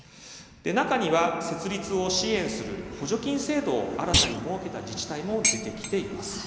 中には設立を支援する補助金制度を新たに設けた自治体も出てきています。